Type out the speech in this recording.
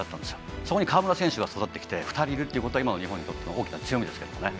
そこに川村選手が育ってきて２人いるということは今の日本にとって大きな強みですね。